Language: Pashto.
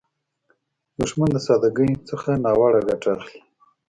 دښمن د سادګۍ نه ناوړه ګټه اخلي